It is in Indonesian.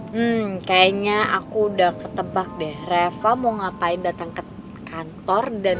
hmm kayaknya aku udah ketebak deh reva mau ngapain datang ke kantor dan